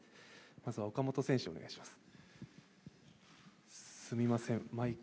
まずは岡本選手、お願いします。